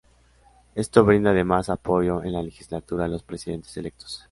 Esto brinda además apoyo en la legislatura a los presidentes electos.